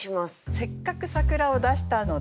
せっかく「桜」を出したので。